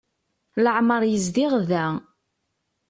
Leɛmer yezdiɣ da.